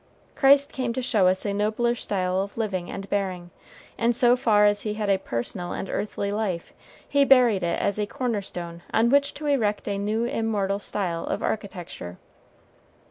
Christ came to show us a nobler style of living and bearing; and so far as he had a personal and earthly life, he buried it as a corner stone on which to erect a new immortal style of architecture.